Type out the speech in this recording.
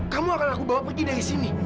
kamu akan aku bawa pergi dari sini